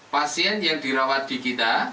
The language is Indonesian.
pasien yang dirawat di kita